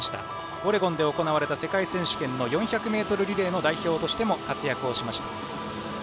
オレゴンで行われた世界選手権の４００ｍリレーの代表としても活躍をしました。